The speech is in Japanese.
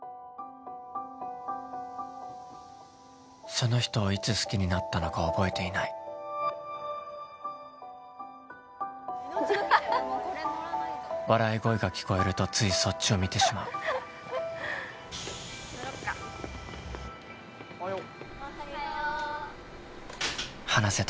その人をいつ好きになったのか覚えていない笑い声が聞こえるとついそっちを見てしまう・乗ろっかおはよう